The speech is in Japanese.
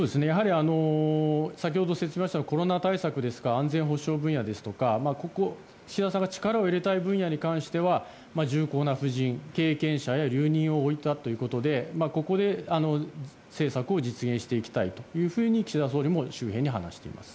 先ほど説明しましたがコロナ対策や安全保障分野ですとか岸田さんが力を入れたい分野は重厚な布陣、経験者や留任を置いたということでここで政策を実現していきたいというふうに岸田総理も周辺に話しています。